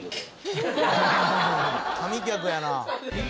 「神客やな」